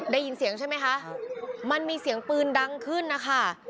ได้ยินเสียงใช่ไหมคะมันมีเสียงปืนดังขึ้นนะคะ